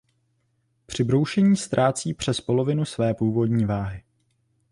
Při broušení ztrácí přes polovinu své původní váhy.